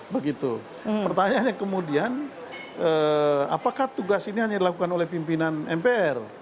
begitu pertanyaannya kemudian apakah tugas ini hanya dilakukan oleh pimpinan mpr